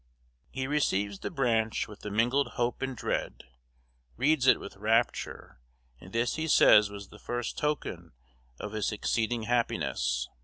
He receives the branch with mingled hope and dread; reads it with rapture; and this he says was the first token of his succeeding happiness.